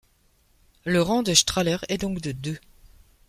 Le rang de Strahler est donc de deux.